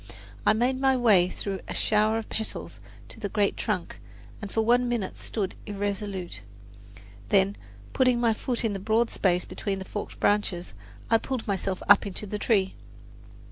I made my way through a shower of petals to the great trunk and for one minute stood irresolute; then, putting my foot in the broad space between the forked branches, I pulled myself up into the tree.